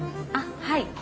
はい。